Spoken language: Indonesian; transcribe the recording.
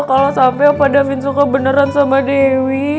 kalau sampai opo davin suka beneran sama dewi